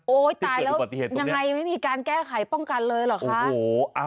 ตายแล้วยังไงไม่มีการแก้ไขป้องกันเลยเหรอคะ